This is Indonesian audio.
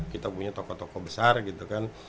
kita punya tokoh tokoh besar gitu kan